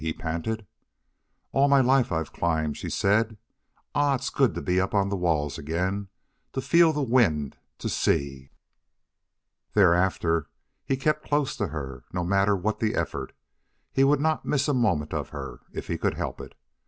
he panted. "All my life I've climbed," she said. "Ah! it's so good to be up on the walls again to feel the wind to see!" Thereafter he kept close to her, no matter what the effort. He would not miss a moment of her, if he could help it.